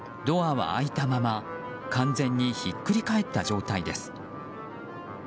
ドアは開いたまま完全にひっくり返った状態です。